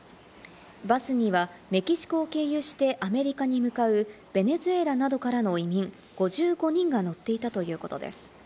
バスにはメキシコを経由してアメリカに向かうベネズエラなどからの移民５５人が乗っていたということです。